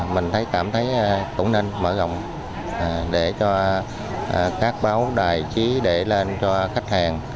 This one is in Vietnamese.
mình thấy cảm thấy cũng nên mở rộng để cho các báo đài trí để lên cho khách hàng